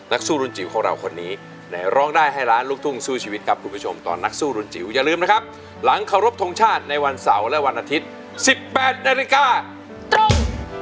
สู้รุนจิ๋วของเราคนนี้ในร้องได้ให้ล้านลูกทุ่งสู้ชีวิตครับคุณผู้ชมตอนนักสู้รุนจิ๋วอย่าลืมนะครับหลังเคารพทงชาติในวันเสาร์และวันอาทิตย์๑๘นาฬิกาตรง